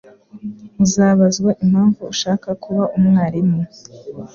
Uzabazwa impamvu ushaka kuba umwarimu.